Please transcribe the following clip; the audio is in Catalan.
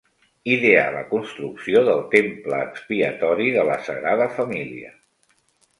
Ideà la construcció del Temple Expiatori de la Sagrada Família.